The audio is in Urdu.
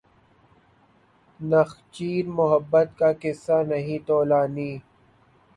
نخچیر محبت کا قصہ نہیں طولانی